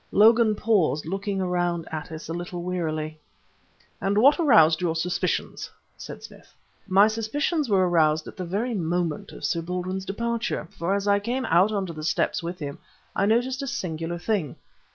Logan paused, looking around at us a little wearily. "And what aroused your suspicions?" said Smith. "My suspicions were aroused at the very moment of Sir Baldwin's departure, for as I came out onto the steps with him I noticed a singular thing."